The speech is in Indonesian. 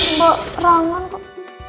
mbak kerangan kok